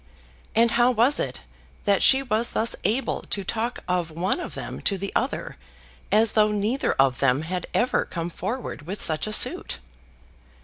And how was it that she was thus able to talk of one of them to the other, as though neither of them had ever come forward with such a suit?